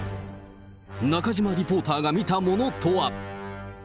中島リポーターが見たものとは。